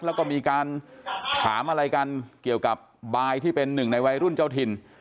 แล้วก็มีการถามอะไรกันเกี่ยวกับบายที่เป็นหนึ่งในวัยรุ่นเจ้าถิ่น